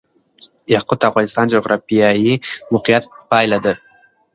یاقوت د افغانستان د جغرافیایي موقیعت پایله ده.